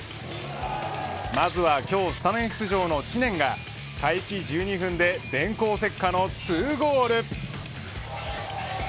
まずは今日スタメン出場の知念が開始１２分で電光石火の２ゴール。